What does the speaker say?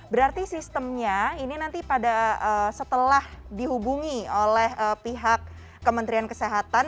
berarti sistemnya ini nanti pada setelah dihubungi oleh pihak kementerian kesehatan